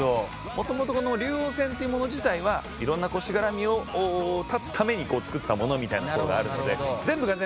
元々この龍王戦っていうもの自体は色んなしがらみを断つために作ったものみたいなところがあるので。